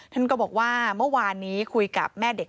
ท่านก็บอกว่าเมื่อวานนี้คุยกับแม่เด็ก